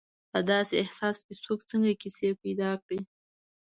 په داسې احساس څوک څنګه کیسې پیدا کړي.